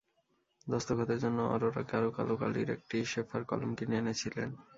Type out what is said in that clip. দস্তখতের জন্য অরোরা গাঢ় কালো কালির একটি শেফার কলম কিনে এনেছিলেন।